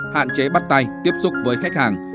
hạn chế bắt tay tiếp xúc với khách hàng